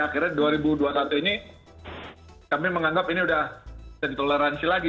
akhirnya dua ribu dua puluh satu ini kami menganggap ini sudah ditoleransi lagi